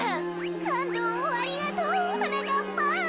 かんどうをありがとうはなかっぱん。